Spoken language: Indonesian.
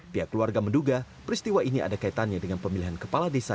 pihak keluarga menduga peristiwa ini ada kaitannya dengan pemilihan kepala desa